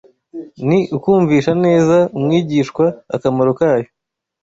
ni ukumvisha neza umwigishwa akamaro kayo